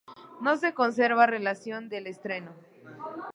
No se conserva relación del estreno.